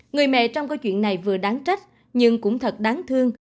người mẹ trong câu chuyện này vừa đáng trách nhưng cũng thật đáng thương